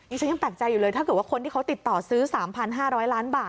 ฉันยังแปลกใจอยู่เลยถ้าเกิดว่าคนที่เขาติดต่อซื้อ๓๕๐๐ล้านบาท